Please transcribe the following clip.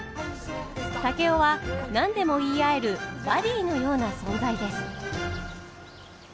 竹雄は何でも言い合えるバディーのような存在です。